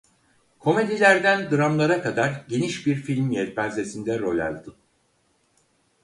Komedilerden dramlara kadar geniş bir film yelpazesinde rol aldı.